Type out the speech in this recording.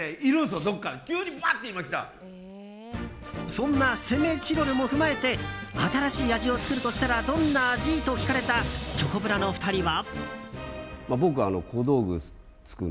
そんな攻めチロルも踏まえて新しい味を作るとしたらどんな味？と聞かれたチョコプラの２人は。